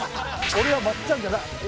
俺は松ちゃんじゃない。